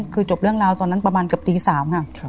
คือจบเรื่องราวตอนนั้นประมาณเกือบตี๓ค่ะ